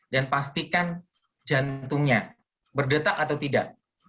dan pastikan jantungnya berdetak atau tidak